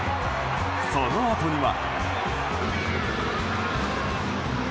そのあとには。